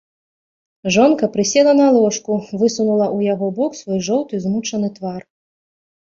Жонка прысела на ложку, высунула ў яго бок свой жоўты змучаны твар.